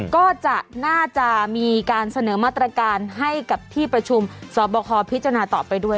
ก็จะน่าจะมีการเสนอมาตรการให้กับที่ประชุมสอบคอพิจารณาต่อไปด้วย